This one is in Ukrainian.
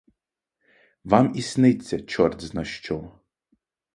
Вам і сниться чортзна-що.